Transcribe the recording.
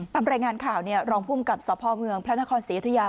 ตามรายงานข่าวเนี่ยรองภูมิกับสพพระนครศรีอยุธยา